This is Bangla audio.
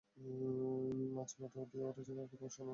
মাঝমাঠ দিয়ে ওরা যেভাবে আক্রমণ শাণাল সেটা ব্রাজিলের জন্য ভয়ের বিষয়।